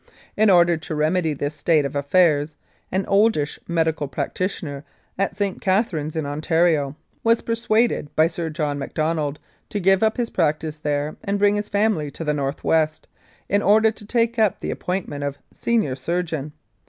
In order to remedy this state of affairs, an oldish medical practitioner, at St. Catherine's, in Ontario, was persuaded by Sir John Macdonald to give up his practice there and bring his family to the North West, in order to take up the appointment of senior surgeon.